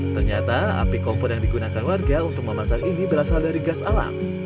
ternyata api kompor yang digunakan warga untuk memasak ini berasal dari gas alam